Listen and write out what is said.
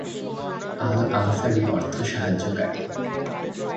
আল-আনসারী অর্থ সাহায্যকারী।